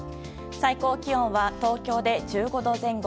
最高気温は東京で１５度前後。